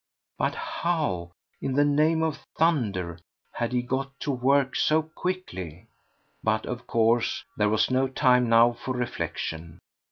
But how, in the name of thunder, had he got to work so quickly? But, of course, there was no time now for reflection.